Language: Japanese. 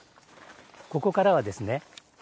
ここからはですね